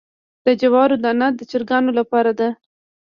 د جوارو دانه د چرګانو لپاره ده.